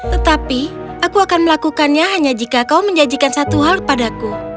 tetapi aku akan melakukannya hanya jika kau menjanjikan satu hal padaku